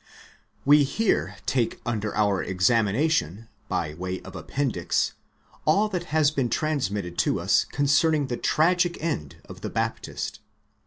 We here take under our examination, by way of appendix, all that has beer transmitted to us concerning the tragic end of the Baptist.